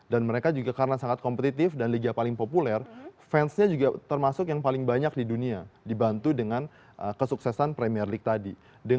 dan mereka juga karena sangat kompetitif dan liga paling populer fansnya juga termasuk yang paling banyak di dunia dibantu dengan kesuksesan premier league tadi